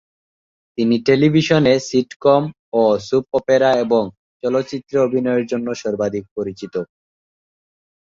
তিনি টেলিভিশনে সিটকম ও সোপ অপেরা এবং চলচ্চিত্রে অভিনয়ের জন্য সর্বাধিক পরিচিত।